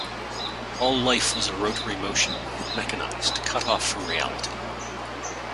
All life was a rotary motion, mechanized, cut off from reality.